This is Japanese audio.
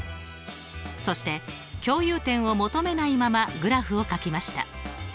そして共有点を求めないままグラフをかきました。